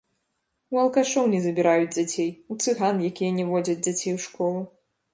У алкашоў не забіраюць дзяцей, у цыган, якія не водзяць дзяцей у школу.